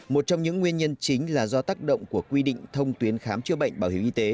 một trong những nguyên nhân chính là do tác động của quy định thông tuyến khám chữa bệnh bảo hiểm y tế